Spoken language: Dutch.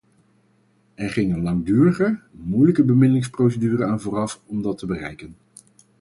Er ging een langdurige, moeilijke bemiddelingsprocedure aan vooraf om dat te bereiken.